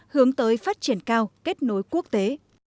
hướng tới phát triển cao kết nối quốc tế